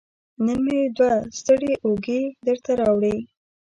نن مې دوه ستړې اوږې درته راوړي